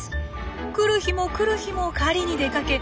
来る日も来る日も狩りに出かけ